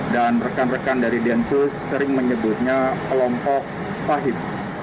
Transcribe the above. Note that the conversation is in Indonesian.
dan rekan rekan dari densus sering menyebutnya kelompok pahit